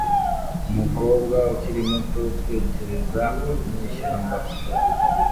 Umukobwa ukiri muto utekereza mu ishyamba